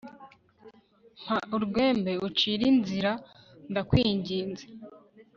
mpa urwembe ucire inzrza ndakwinginze?